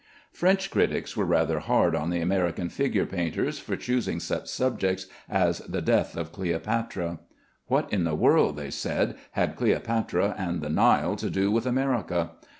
French critics were rather hard on the American figure painters for choosing such subjects as the death of Cleopatra. What in the world, they said, had Cleopatra and the Nile to do with America?